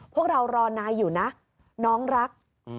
พวกเรารอนายอยู่นะน้องรัก